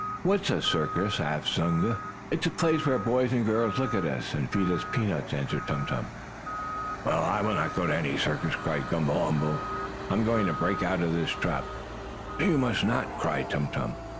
"What is a circus?" asked Zunga. "It is a place where boys and girls look at us, and feed us peanuts," answered Tum Tum. "I will not go to any circus!" cried Gumble umble. "I am going to break out of this trap!" "You must not!" cried Tum Tum.